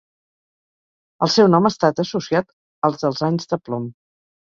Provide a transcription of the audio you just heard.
El seu nom ha estat associat als dels anys de plom.